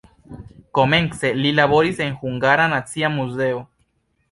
Komence li laboris en Hungara Nacia Muzeo.